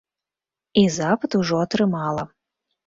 І запыт ужо атрымала.